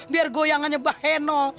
biar goyangannya baheno